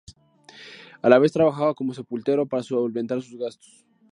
A la vez trabajaba como sepulturero para solventar sus gastos.